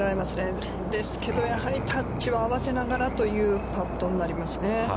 ですけど、やはりタッチを合わせながらというパットになりますね。